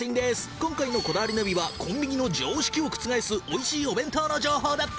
今回の『こだわりナビ』はコンビニの常識を覆すおいしいお弁当の情報だって！